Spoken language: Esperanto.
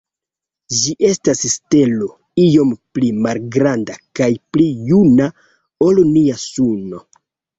Ĝi estas stelo iom pli malgranda kaj pli juna ol nia Suno.